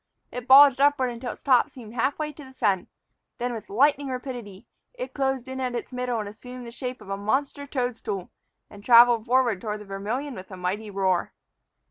It bulged upward until its top seemed half way to the sun. Then, with lightning rapidity, it closed in at its middle and assumed the shape of a monster toad stool, and traveled forward toward the Vermillion with a mighty roar.